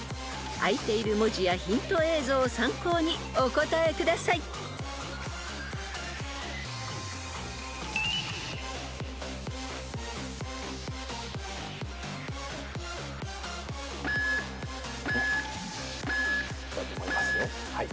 ［あいている文字やヒント映像を参考にお答えください］だと思いますよはい。